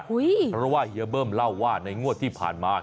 เพราะว่าเฮียเบิ้มเล่าว่าในงวดที่ผ่านมา